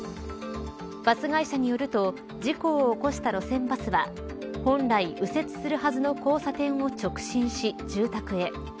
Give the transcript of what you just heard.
バス会社によると事故を起こした路線バスは本来、右折するはずの交差点を直進し住宅へ。